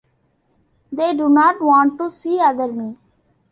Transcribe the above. They do not want to see other me.